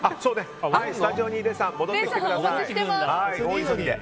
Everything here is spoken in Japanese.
スタジオに礼さん戻ってきてください、大急ぎで。